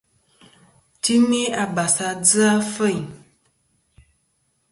Timi abàs a dzɨ afêyn.